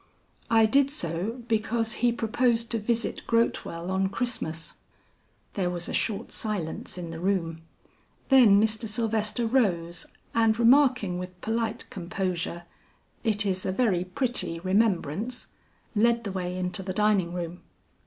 "I did so, because he proposed to visit Grotewell on Christmas." There was a short silence in the room, then Mr. Sylvester rose, and remarking with polite composure, "It is a very pretty remembrance," led the way into the dining room.